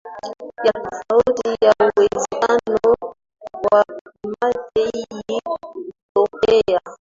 ya tofauti ya uwezekano wa primate hii hutokea